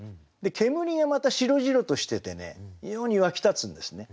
煙がまた白々としててね異様にわき立つんですね。